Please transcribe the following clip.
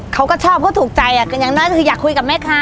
เขาก็ชอบก็ถูกใจอะอย่างน้อยอยากคุยกับแม่คะ